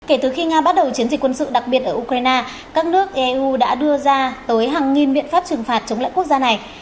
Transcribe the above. kể từ khi nga bắt đầu chiến dịch quân sự đặc biệt ở ukraine các nước eu đã đưa ra tới hàng nghìn biện pháp trừng phạt chống lại quốc gia này